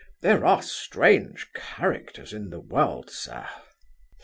There are strange characters in the world, sir!"